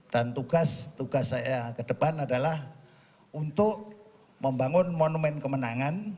dan tugas tugas saya ke depan adalah untuk membangun monumen kemenangan